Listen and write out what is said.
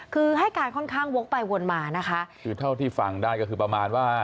คือให้การค่อนข้างวกไปวนมานะคะคือเท่าที่ฟังได้ก็คือประมาณว่า